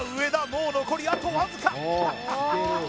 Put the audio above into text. もう残りあとわずか！